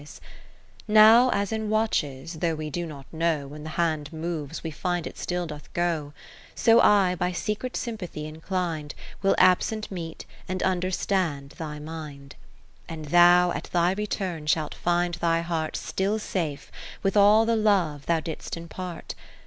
(551) Katherine Philips Now as in watches, though we do not know When the hand moves, we find it still doth go : 20 So I, by secret sympathy inclin'd, Will absent meet, and understand thy mind ; And thou at thy return shalt find thy heart Still safe, with all the love thou didst impart.